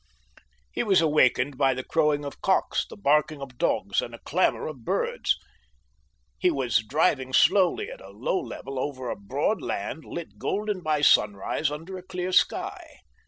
He was awakened by the crowing of cocks, the barking of dogs, and a clamour of birds. He was driving slowly at a low level over a broad land lit golden by sunrise under a clear sky.